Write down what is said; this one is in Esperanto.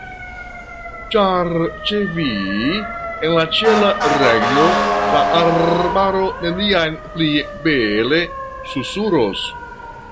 Ĉar ĉe vi en la ĉiela regno la arbaro neniam pli bele susuros!